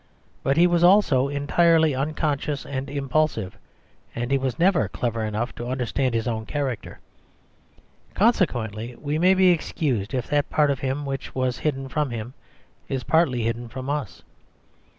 But he was also entirely unconscious and impulsive, and he was never clever enough to understand his own character; consequently we may be excused if that part of him which was hidden from him is partly hidden from us.